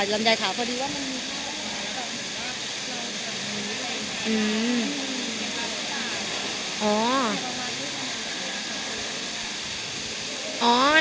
ลำไยขาวพอดีว่ามัน